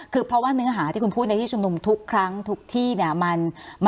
คือเพราะว่าเนื้อหาที่คุณพูดในที่ชุมนุมทุกครั้งทุกที่เนี่ย